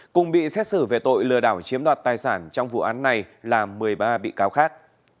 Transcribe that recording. cùng bị xét xử về tội lừa đảo chiếm đoạt tài sản trong vụ án này là một mươi ba bị cáo khác